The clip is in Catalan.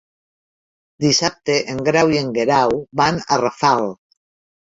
Dissabte en Grau i en Guerau van a Rafal.